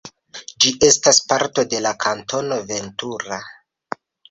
Ĝi estas parto de la Kantono Ventura.